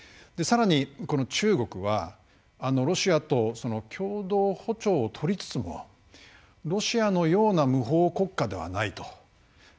さらに中国はロシアと共同歩調をとりつつもロシアのような無法国家ではないと。